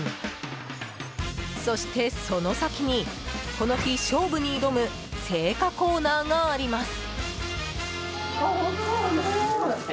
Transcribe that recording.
そして、その先にこの日、勝負に挑む青果コーナーがあります。